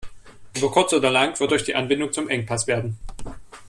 Über kurz oder lang wird euch die Anbindung zum Engpass werden.